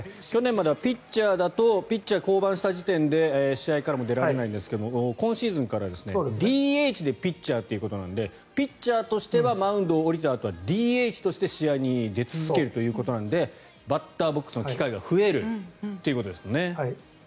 去年まではピッチャーだとピッチャーを降板した時点で試合からも出られないんですが今シーズンからＤＨでピッチャーということなのでピッチャーとしてはマウンドを降りたあとはＤＨとして試合に出続けるということなのでバッターボックスの機会が増えるということですね。